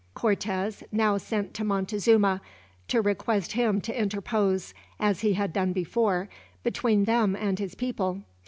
Cortez now sent to Montezuma, to request him to interpose, as he had done before, between them and his people.